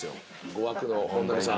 ５枠の本並さん。